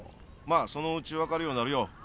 まあそのうちわかるようになるよ。